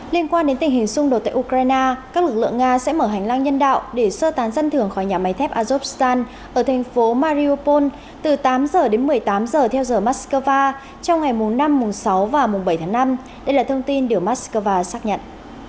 liên quan đến tình hình xung đột tại ukraine các lực lượng nga sẽ mở hành lang nhân đạo để sơ tán dân thường khỏi nhà máy thép azokstan ở thành phố mariopool từ tám giờ đến một mươi tám giờ theo giờ moscow trong ngày mùng năm sáu và mùng bảy tháng năm đây là thông tin điều moscow xác nhận